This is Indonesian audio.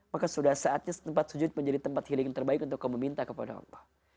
maka sudah saatnya tempat sujud menjadi tempat healing terbaik untuk kau meminta kepada allah